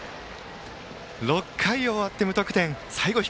６回を終わって無得点。